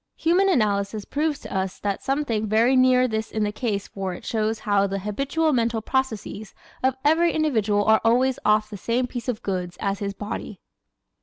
Human Analysis proves to us that something very near this is the case for it shows how the habitual mental processes of every individual are always "off the same piece of goods" as his body.